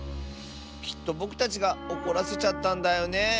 きっとぼくたちがおこらせちゃったんだよね。